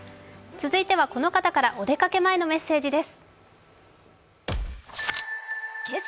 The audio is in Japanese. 続いてはこの方からお出かけ前のメッセージです。